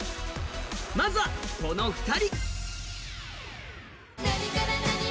まずは、この２人。